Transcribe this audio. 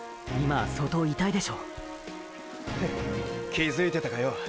気づいてたかよ。